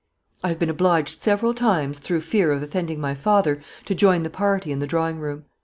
"I have been obliged several times, through fear of offending my father, to join the party in the drawing room.